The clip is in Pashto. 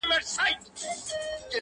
• سر ته ځاي دي پر بالښت د زنګون غواړم,